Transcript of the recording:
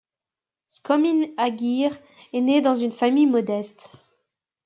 Txomin Agirre est né dans une famille modeste.